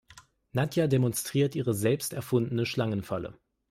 Nadja demonstriert ihre selbst erfundene Schlangenfalle.